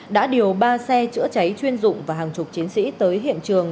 đã điều ba xe chữa cháy chuyên dụng và hàng chục chiến sĩ tới hiện trường